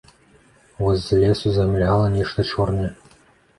Вось з лесу замільгала нешта чорнае.